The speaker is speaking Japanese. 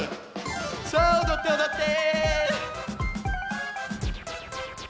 さあおどっておどって！